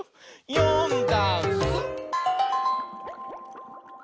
「よんだんす」